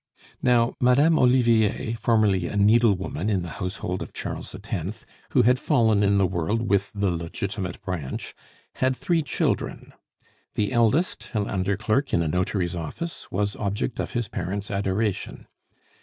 Now, Madame Olivier, formerly a needlewoman in the household of Charles X., who had fallen in the world with the legitimate branch, had three children. The eldest, an under clerk in a notary's office, was object of his parents' adoration.